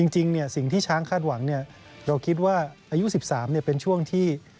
จริงสิ่งที่ช้างคาดหวังเราคิดว่าอายุ๑๓เป็นช่วงที่